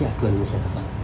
murni aduan masyarakat